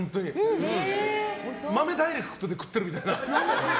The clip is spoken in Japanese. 豆、ダイレクトで食ってるみたいな。